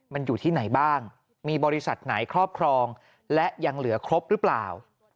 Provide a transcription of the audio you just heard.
มันอยู่ที่ไหนบ้างมีบริษัทไหนครอบครองและยังเหลือครบหรือเปล่า